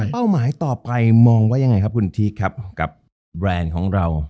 เป้าหมายต่อไปมองว่ายังไงครับคุณทีคครับกับแบรนด์ของเรา